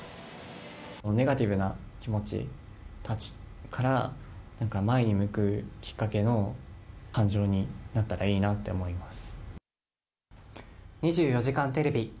ネガティブな気持ちたちから、なんか前に向くきっかけの感情になったらいいなと思います。